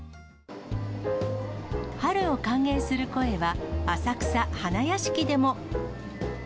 春を歓迎する声は、浅草花やしきでも。